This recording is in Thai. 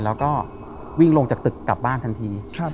แล้วก็วิ่งลงจากตึกกลับบ้านทันที